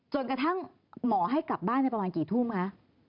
กระทั่งหมอให้กลับบ้านในประมาณกี่ทุ่มคะ